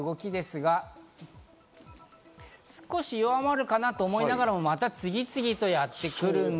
少し弱まるかなと思いながらも、また次々とやってくる。